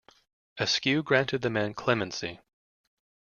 Askew granted the men clemency.